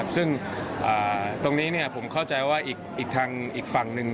ซึ่งตรงนี้ผมเข้าใจว่าอีกทางอีกฝั่งหนึ่ง